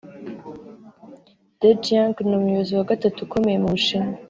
Dejiang ni umuyobozi wa gatatu ukomeye mu Bushinwa